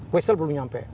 wesel belum nyampe